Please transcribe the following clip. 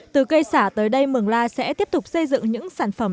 từ cây xả tới đây mường la sẽ tiếp tục xây dựng những sản phẩm